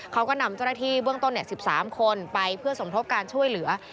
เขาก็นำเจ้าหน้าที่เบื้องต้น๑๓คนไปเพื่อสมทบการช่วยเหลือ